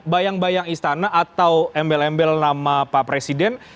bayang bayang istana atau embel embel nama pak presiden